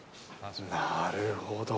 なるほどー。